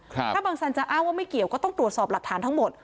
ถ้าบังสันจะอ้างว่าไม่เกี่ยวก็ต้องตรวจสอบหลักฐานทั้งหมด